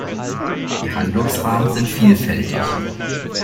Die Handlungsrahmen sind vielfältig.